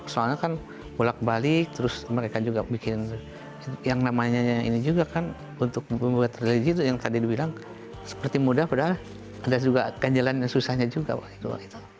soalnya kan bolak balik terus mereka juga bikin yang namanya ini juga kan untuk membuat religi itu yang tadi dibilang seperti mudah padahal ada juga ganjalan yang susahnya juga waktu itu